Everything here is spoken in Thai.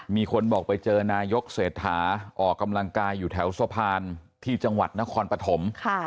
มีคนบอกไปเจอนายกเศรษฐาออกกำลังกายอยู่แถวสะพานที่จังหวัดนครปฐม